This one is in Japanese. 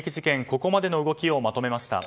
ここまでの動きをまとめました。